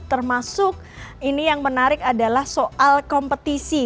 termasuk ini yang menarik adalah soal kompetisi